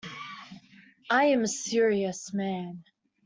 I am a serious man.